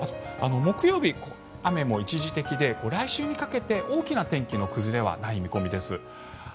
木曜日、雨も一時的で来週にかけて大きな天気の崩れはない見込みです。